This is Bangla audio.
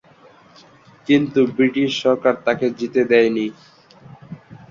কিন্তু বৃটিশ সরকার তাঁকে যেতে দেয়নি।